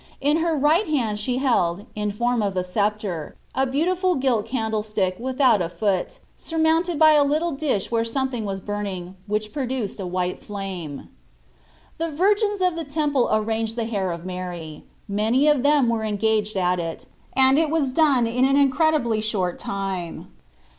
In her right hand she held, in form of a sceptre, a beautiful gilt candlestick, without a foot, surmounted by a little dish where something was burning, which produced a white flame. The virgins of the Temple arranged the hair of Mary many of them were en gaged at it, and it was done in an in credibly short time.